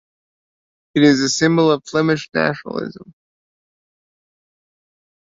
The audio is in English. It is a symbol of Flemish nationalism.